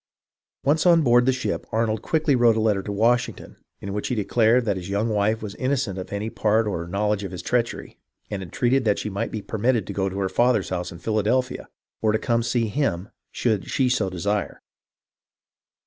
Once on board the ship, Arnold quickly wrote a letter to Washington in which he declared that his young wife was innocent of any part or knowledge of his treachery, and entreated that she might be per mitted to go to her father's house in Philadelphia, or to come to him should she so desire.